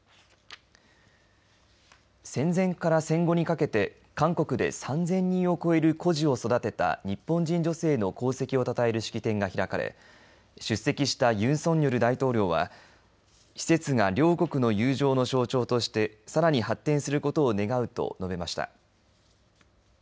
戦前から戦後にかけて韓国で３０００人を超える孤児を育てた日本人女性の功績をたたえる式典が開かれ出席したユン・ソンニョル大統領は施設が両国の友情の象徴としてさらに発展することを願うと述べました。